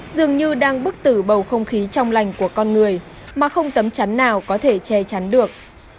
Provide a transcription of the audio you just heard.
dường như đang bức tử bầu không khí trong lành của con người mà không tấm chắn nào có thể che chắn được